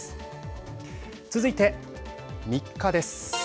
続いて、３日です。